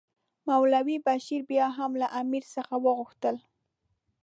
مولوي بشیر بیا هم له امیر څخه وغوښتل.